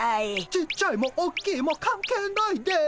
ちっちゃいもおっきいも関係ないです。